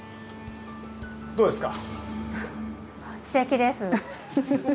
どうですか？